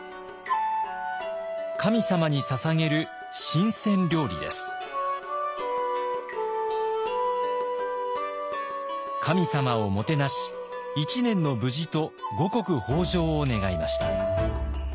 神様にささげる神様をもてなし一年の無事と五穀豊穣を願いました。